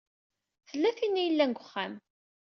Tella tin i yellan deg uxxam.